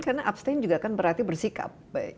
karena abstain juga kan berarti bersikap